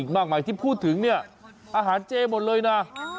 อีกมากมายที่พูดถึงอาหารเจ๋หมดเลยนะ